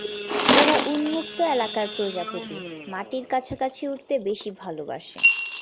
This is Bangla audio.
এরা উন্মুক্ত এলাকার প্রজাপতি, মাটির কাছাকাছি উড়তে বেশি ভালবাসে।